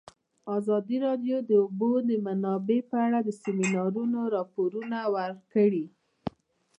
ازادي راډیو د د اوبو منابع په اړه د سیمینارونو راپورونه ورکړي.